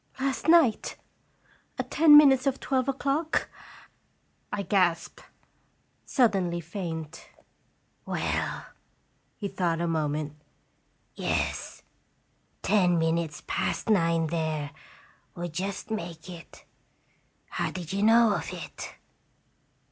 "Last night! at ten minutes of twelve o'clock?" I gasped, suddenly faint. "Well," he thought a moment, " yes ten minutes past nine there would just make it how did you know of it?"